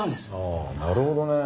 ああなるほどね。